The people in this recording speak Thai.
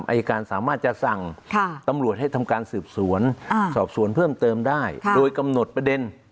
อายการสามารถจะสั่งตำรวจให้ทำการสืบสวนสอบสวนเพิ่มเติมได้โดยกำหนดประเด็น